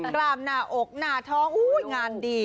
กล้ามหน้าอกหน้าท้องอุ้ยงานดี